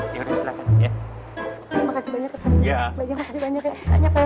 ya udah silahkan ya